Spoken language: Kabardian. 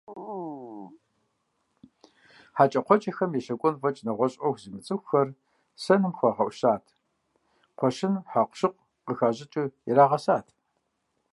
ХьэкӀэкхъуэкӀэм ещэкӀуэн фӀэкӀ нэгъуэщӀ Ӏуэху зымыцӀыхухэр сэным хуагъэӀущат, кхъуэщыным хьэкъущыкъу къыхащӀыкӀыу ирагъэсат.